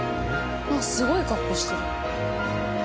すごい格好してる。